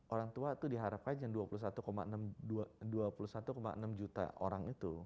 orang tua itu diharapkan yang dua puluh satu enam juta orang itu